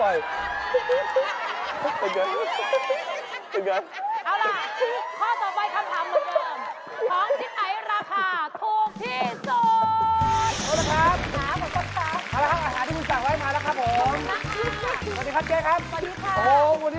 โอ้โฮวันนี้พาเด็กมาทานข้าวเหรอครับนี่